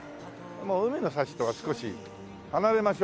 もう海の幸とは少し離れましょう。